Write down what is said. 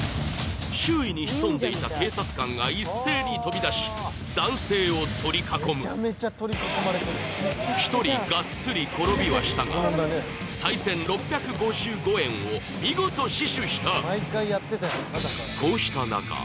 周囲に潜んでいた警察官が一斉に飛び出し男性を取り囲む１人ガッツリ転びはしたが賽銭６５５円を見事死守した